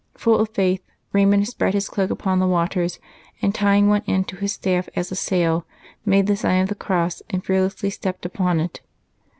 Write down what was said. Full of faith, Raymund spread his cloak upon the waters, and, tying one end to his staff as a sail, made the sign of the cross and fearlessly stepped upon it.